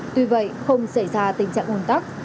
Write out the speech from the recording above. tuy vậy không xảy ra tình trạng ôn tắc